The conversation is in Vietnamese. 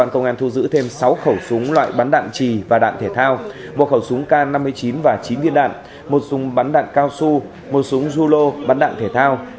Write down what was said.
hai khẩu súng loại bắn đạn trì và đạn thể thao một khẩu súng can năm mươi chín và chín viên đạn một súng bắn đạn cao su một súng zulo bắn đạn thể thao